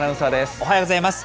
おはようございます。